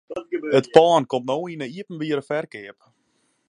It pân komt no yn 'e iepenbiere ferkeap.